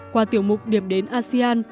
qua tiểu mục điệp đến asean